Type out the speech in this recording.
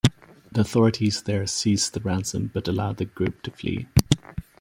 The authorities there seized the ransom but allowed the group to flee.